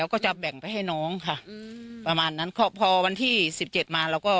วันนี้ในวันนี้ได้ไหม